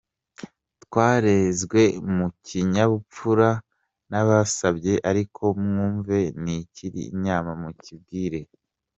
Twarezwe mu kinyabupfura; nabasabye ariko mwumve n’ikiri inyuma mukibwire.